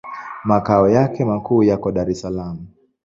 Makao yake makuu yako Dar es Salaam.